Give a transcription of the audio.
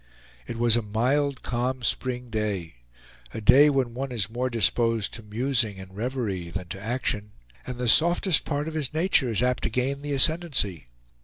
It was a mild, calm spring day; a day when one is more disposed to musing and reverie than to action, and the softest part of his nature is apt to gain the ascendency.